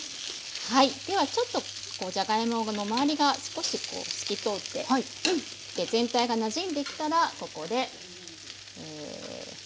はいではちょっとじゃがいもの周りが少しこう透き通ってきて全体がなじんできたらここでえ。